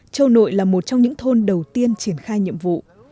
châu nội là một trong những thôn đầu tiên triển khai nhiệm vụ